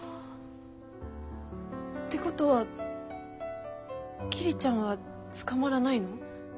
ってことは桐ちゃんは捕まらないの？